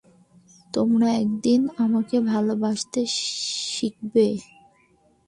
তোমরা একদিন আমাকে ভালবাসতে শিখবে।